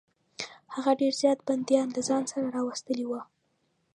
هغه ډېر زیات بندیان له ځان سره راوستلي وه.